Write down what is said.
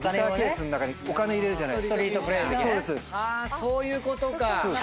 はぁそういうことか！